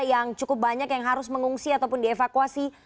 yang cukup banyak yang harus mengungsi ataupun dievakuasi